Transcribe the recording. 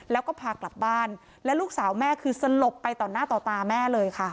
แล้วก็พากลับบ้านและลูกสาวแม่คือสลบไปต่อหน้าต่อตาแม่เลยค่ะ